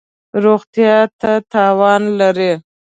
روغتیا ته تاوان لری